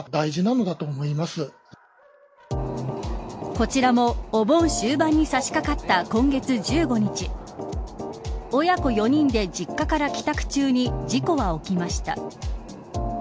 こちらもお盆終盤に差し掛かった今月１５日親子４人で実家から帰宅中に事故は起きました。